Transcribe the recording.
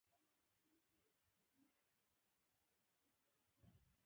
د نولسمې پېړۍ په لومړیو کې نیل او سره دانه تولیدېدل.